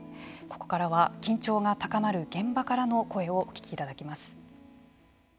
ここからは緊張が高まる現場からの声をお聞きいただきます。